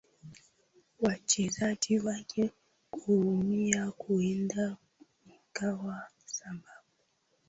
wachezaji wake kuumia huenda ikawa sababu